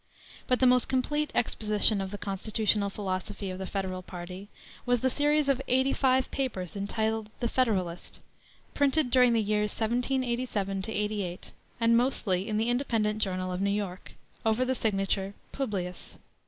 But the most complete exposition of the constitutional philosophy of the Federal party was the series of eighty five papers entitled the Federalist, printed during the years 1787 88, and mostly in the Independent Journal of New York, over the signature "Publius."